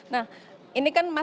nah ini kan mas